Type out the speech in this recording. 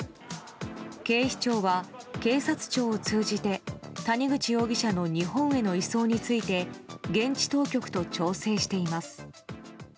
警視庁は警察庁を通じて谷口容疑者の日本への移送について現地当局と調整しています。